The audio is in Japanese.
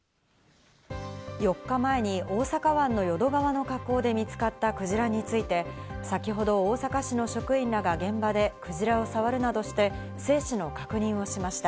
４日前に大阪湾の淀川の河口で見つかったクジラについて、先ほど、大阪市の職員らが現場でクジラをさわるなどして生死の確認をしました。